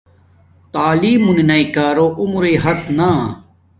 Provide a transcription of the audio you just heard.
تعلیم مونی ناݵݷ کارو عمرݷ حت نا